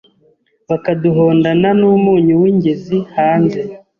bakaduhondana n’umunyu w’ingezi hanze